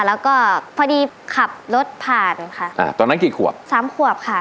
แล้วก็พอดีขับรถผ่านค่ะอ่าตอนนั้นกี่ขวบสามขวบค่ะ